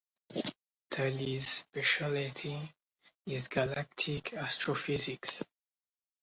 Tully’s specialty is galactic astrophysics.